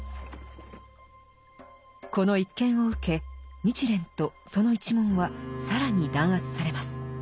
この一件を受け日蓮とその一門は更に弾圧されます。